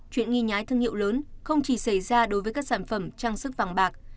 chuyện nghi nhái thương hiệu lớn không chỉ xảy ra đối với các sản phẩm trang sức vàng bạc